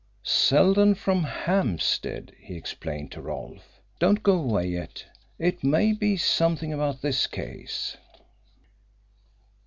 "Seldon from Hampstead," he explained to Rolfe. "Don't go away yet. It may be something about this case."